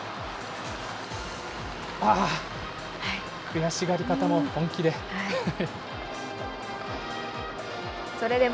ああ、悔しがり方も本気で。